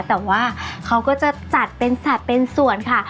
แต่ว่าเขาก็จะจัดเป็นสัตว์เป็นส่วนค่ะ